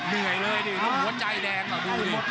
เหนื่อยเลยดิแล้วหัวใจแดงอ่ะดูดิ